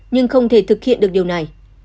nhưng không thể thực hiện được điều này